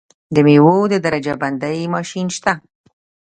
د میوو د درجه بندۍ ماشین شته؟